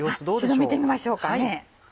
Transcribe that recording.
ちょっと見てみましょうかね。